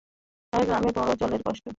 তখন গ্রামে বড় জলের কষ্ট।